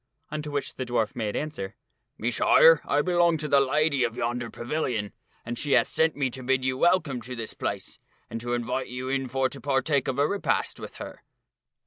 Unto which the dwarf made answer, " Messire, I belong unto the lady of yonder pavilion, and she hath sent me to bid you welcome to this place, and to invite you in for to partake of a repast with her."